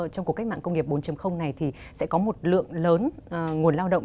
trong cuộc cách mạng công nghiệp bốn này thì sẽ có một lượng lớn nguồn lao động